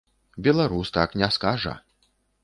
Беларус так не скажа.